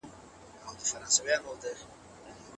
مور د لور په راتلونکي سترګې نه پټوي.